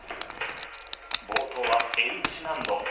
冒頭はＨ難度。